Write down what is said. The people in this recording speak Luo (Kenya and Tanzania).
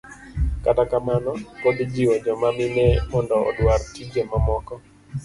kata kamano, pod ijiwo joma mine mondo odwar tije mamoko.